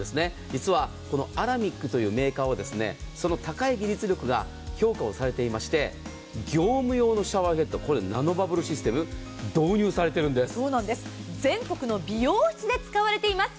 実はこのアラミックというメーカーは、その高い技術力が評価をされていまして業務用のシャワーヘッドナノバブルシステム全国の美容室で使われています。